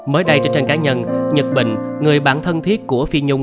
mới đây trên trang cá nhân nhật bình người bản thân thiết của phi nhung